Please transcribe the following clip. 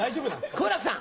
好楽さん！